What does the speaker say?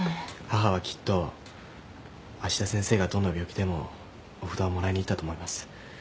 母はきっと芦田先生がどんな病気でもお札をもらいに行ったと思います。